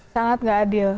sangat gak adil